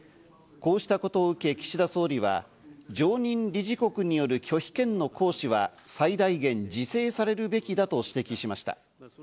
こうしたことを受け、岸田総理は常任理事国による拒否権の行使は最大限自制されるべきだと指摘しました。